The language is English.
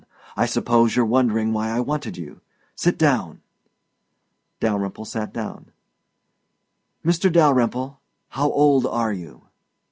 I suppose you're wondering why I wanted you. Sit down." Dalyrimple sat down. "Mr. Dalyrimple, how old are you?"